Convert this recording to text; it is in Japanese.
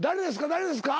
誰ですか？